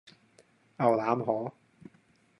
牛腩河